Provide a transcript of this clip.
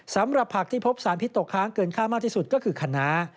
สำหรับผักที่พบสารพิษตกค้างเกินค่ามากที่สุดก็คือคณะ